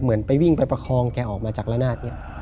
เหมือนไปวิ่งไปประคองแกออกมาจากระนาดเนี่ย